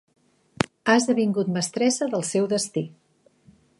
Ha esdevingut mestressa del seu destí.